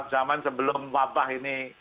zaman sebelum wabah ini